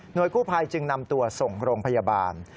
โดยกู้ภัยจึงนำตัวส่งโรงพยาบาล